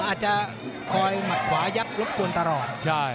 อาจจะคอยหมัดขวายับรบกวนตลอด